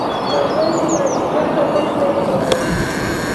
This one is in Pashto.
د څوکۍ د مازدیګري خبرې به یې کولې.